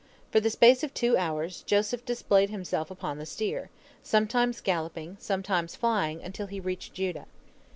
For the space of two hours Joseph displayed himself upon the steer, sometimes galloping, sometimes flying, until he reached Judah.